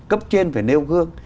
cấp trên phải nêu gương